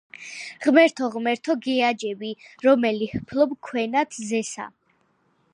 ღმერთო, ღმერთო, გეაჯები, რომელი ჰფლობ ქვენათ ზესა